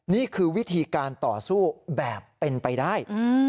นี่คือวิธีการต่อสู้แบบเป็นไปได้